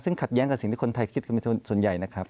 ซึ่งขัดแย้งกับสิ่งที่คนไทยคิดกันเป็นส่วนใหญ่นะครับ